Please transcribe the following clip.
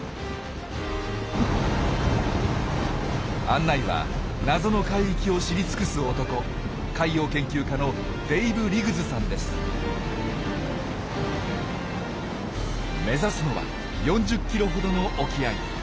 案内は「謎の海域」を知り尽くす男目指すのは４０ｋｍほどの沖合。